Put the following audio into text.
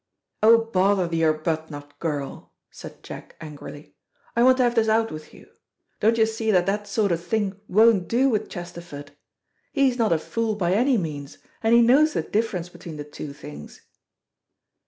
"Oh, bother the Arbuthnot girl," said Jack angrily. "I want to have this out with you. Don't you see that that sort of thing won't do with Chesterford? He is not a fool by any means, and he knows the difference between the two things."